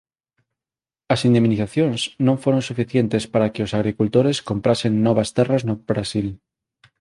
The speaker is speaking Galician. As indemnizacións non foron suficientes para que os agricultores comprasen novas terras no Brasil.